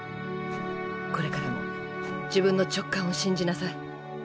これからも自分の直感を信じなさい。